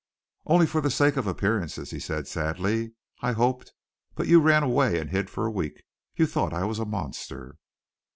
"Only for the sake of appearances," he said sadly. "I hoped but you ran away and hid for a week, you thought I was a monster."